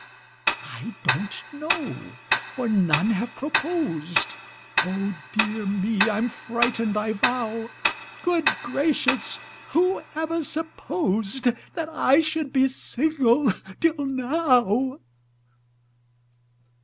I don't know for none have proposed Oh, dear me! I'm frightened, I vow! Good gracious! who ever supposed That I should be single till now?